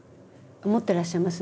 思ってらっしゃいます？